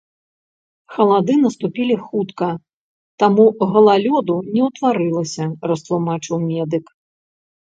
Халады наступілі хутка, таму галалёду не ўтварылася, растлумачыў медык.